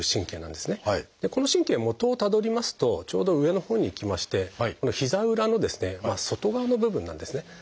この神経はもとをたどりますとちょうど上のほうに行きましてこの膝裏の外側の部分なんですね。